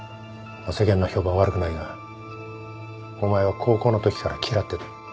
世間の評判は悪くないがお前は高校のときから嫌ってた。